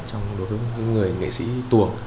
đối với những người nghệ sĩ tuồng